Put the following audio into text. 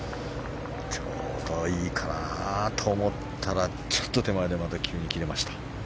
ちょうどいいかなと思ったらちょっと手前でまた急に切れました。